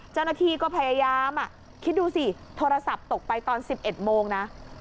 เจ้าหน้าที่ก็พยายามคิดดูสิโทรศัพท์ตกไปตอน๑๑โมงนะ